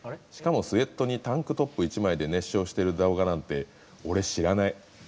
しかも、スエットにタンクトップ１枚で熱唱してる動画なんて俺、知らない。